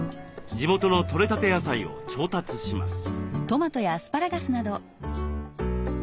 地元の取れたて野菜を調達します。